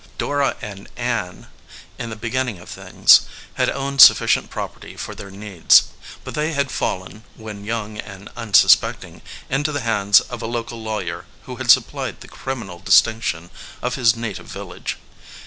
Dora and Ann, in the beginning of things, had owned sufficient property for their needs ; but they had fallen, when young and unsuspecting, into the hands of a local lawyer who had supplied the crim inal distinction of his native village.